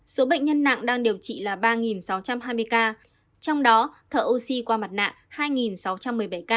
số bệnh nhân nặng đang điều trị là ba sáu trăm hai mươi ca trong đó thở oxy qua mặt nạ hai sáu trăm một mươi bảy ca